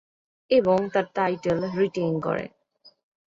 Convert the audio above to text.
এবং তার title retain করে।